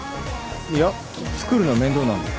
いや作るの面倒なんで。